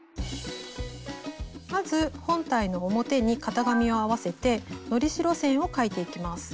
まず本体の表に型紙を合わせてのり代線を描いていきます。